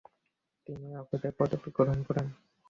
তিনি ওকদাই পদবী গ্রহণ করেন।